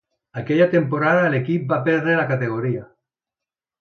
Aquella temporada l'equip va perdre la categoria.